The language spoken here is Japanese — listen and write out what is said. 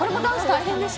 大変。